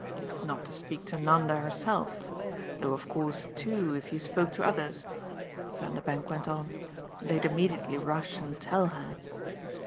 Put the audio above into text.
"Not to speak to Nanda herself though of course too if you spoke to others," Vanderbank went on, "they'd immediately rush and tell her."